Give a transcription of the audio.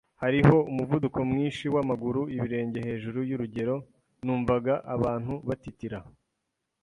Hariho umuvuduko mwinshi wamaguru ibirenge hejuru yurugero. Numvaga abantu batitira